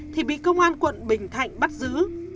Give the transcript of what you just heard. thì bị công an quận bình thạnh bắt giữ